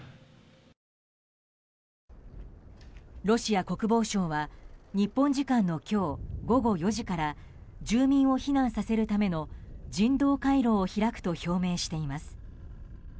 ロシア国防省は日本時間の今日午後４時から住民を避難させるための人道回廊を開くと表明しています。